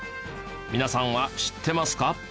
皆さんは知ってますか？